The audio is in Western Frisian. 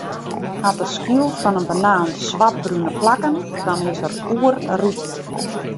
Hat de skyl fan 'e banaan swartbrune plakken, dan is er oerryp.